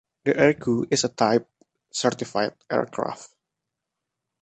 The Ercoupe is a type certified aircraft.